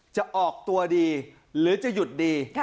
จะออกตัวดีหรือจะหยุดดี